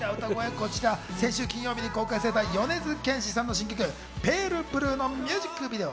こちら、先週金曜日に公開された米津玄師さんの新曲『ＰａｌｅＢｌｕｅ』のミュージックビデオ。